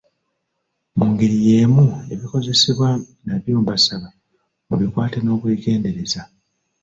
Mu ngeri yeemu ebikozesebwa nabyo mbasaba mubikwate n'obwegendereza.